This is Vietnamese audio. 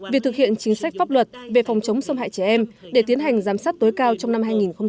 việc thực hiện chính sách pháp luật về phòng chống xâm hại trẻ em để tiến hành giám sát tối cao trong năm hai nghìn hai mươi